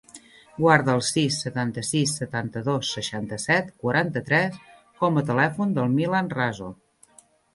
Guarda el sis, setanta-sis, setanta-dos, seixanta-set, quaranta-tres com a telèfon del Milan Raso.